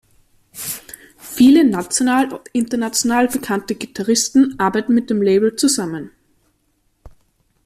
Viele national und international bekannte Gitarristen arbeiten mit dem Label zusammen.